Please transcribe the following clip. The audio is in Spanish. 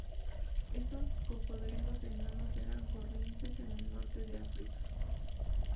Estos cocodrilos enanos eran corrientes en el norte de África.